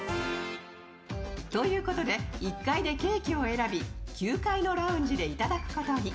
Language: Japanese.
ということで、１階でケーキを選び９階のラウンジでいただくことに。